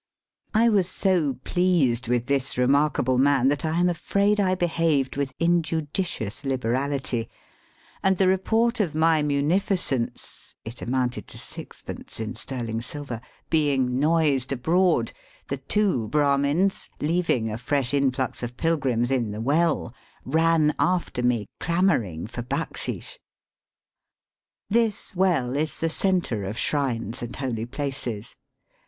I was so pleased with this remarkable man that I am afraid I behaved with injudicious liberality, and the report of my munificence (it amounted to sixpence in sterling silver) being noised abroad, the two Brahmins, leaving a fresh influx of pilgrims in the well, ran after me clamouring for backsheesh. This well is the centre of shrines and holy places.